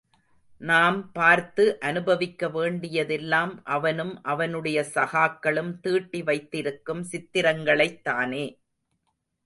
நாம் பார்த்து அனுபவிக்க வேண்டியதெல்லாம் அவனும் அவனுடைய சகாக்களும் தீட்டி வைத்திருக்கும் சித்திரங்களைத் தானே.